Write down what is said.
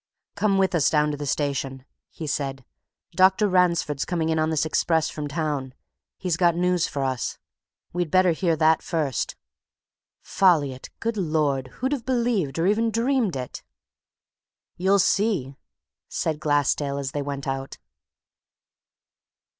"Come with us down to the station," he said. "Dr. Ransford's coming in on this express from town; he's got news for us. We'd better hear that first. Folliot! good Lord! who'd have believed or even dreamed it!" "You'll see," said Glassdale as they went out.